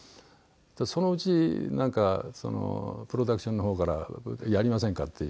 そのうちプロダクションの方から「やりませんか？」っていう。